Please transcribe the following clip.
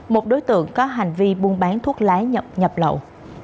một đối tượng có hành vi buôn bán thuốc lá nhập lậu